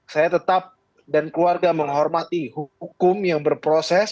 saya tetap dan keluarga menghormati hukum yang berproses